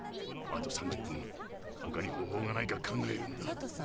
あと３０分ほかに方法がないか考えるんだ。